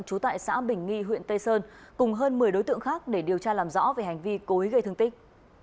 trú tại xã bình nghi huyện tây sơn cùng hơn một mươi đối tượng khác để điều tra làm rõ về hành vi cố ý gây thương tích